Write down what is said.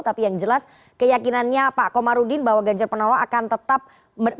tapi yang jelas keyakinannya pak komarudin bahwa ganjar panonon akan tetap bersabar menunggu